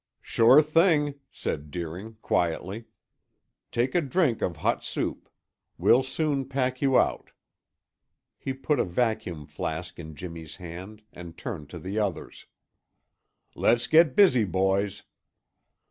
"Sure thing," said Deering quietly. "Take a drink of hot soup. We'll soon pack you out." He put a vacuum flask in Jimmy's hand and turned to the others. "Let's get busy, boys."